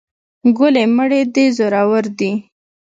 ګلې مړې دې زورور دي.